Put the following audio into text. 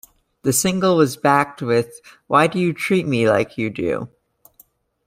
The single was backed with Why Do You Treat Me Like You Do?